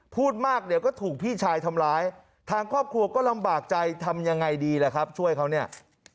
พูดมากเดี๋ยวก็ถูกพี่ชายทำร้ายทางครอบครัวก็ลำบากใจทำยังไงดีล่ะครับช่วยเขาเนี่ย